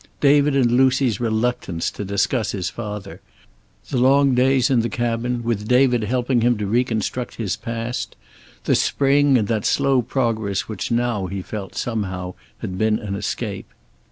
David and Lucy's reluctance to discuss his father; the long days in the cabin, with David helping him to reconstruct his past; the spring, and that slow progress which now he felt, somehow, had been an escape.